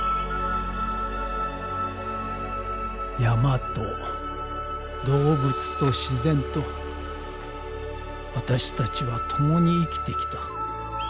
山と動物と自然と私たちは共に生きてきた。